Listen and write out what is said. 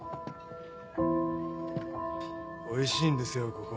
おいしいんですよここ。